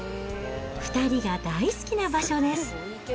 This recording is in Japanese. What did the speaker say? ２人が大好きな場所です。